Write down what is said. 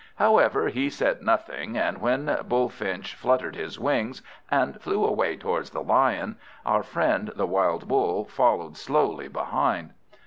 However, he said nothing; and when Bullfinch fluttered his wings, and flew away towards the Lion, our friend the wild Bull followed slowly behind.